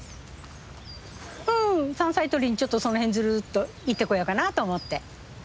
ん山菜とりにちょっとその辺ずるっと行ってこようかなと思って。